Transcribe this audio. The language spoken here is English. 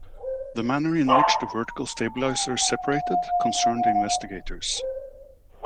The manner in which the vertical stabilizer separated concerned investigators.